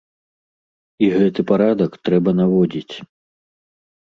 І гэты парадак трэба наводзіць.